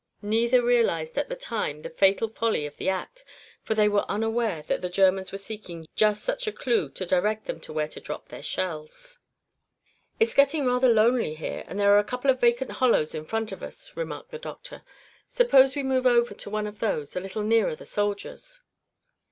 Neither realized at the time the fatal folly of the act, for they were unaware that the Germans were seeking just such a clew to direct them where to drop their shells. "It's getting rather lonely here, and there are a couple of vacant hollows in front of us," remarked the doctor. "Suppose we move over to one of those, a little nearer the soldiers?"